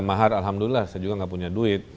mahar alhamdulillah saya juga gak punya duit